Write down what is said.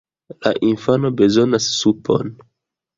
La infano bezonas supon!